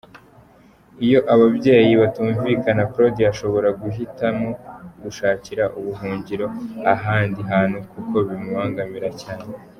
Iyo ababyeyi be batumvikana, Claudia ashobora guhitamo gushakira ubuhungiro ahandi hantu kuko bimubangamira cyane.